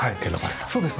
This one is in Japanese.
そうですね